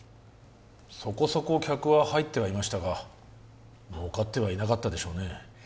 そこそこ客は入ってはいましたが儲かってはいなかったでしょうね